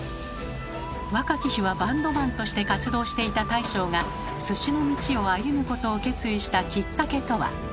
若き日はバンドマンとして活動していた大将が鮨の道を歩むことを決意したきっかけとは？